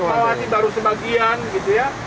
patmawati baru sebagian gitu ya